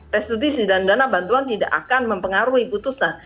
restitusi dan dana bantuan tidak akan mempengaruhi putusan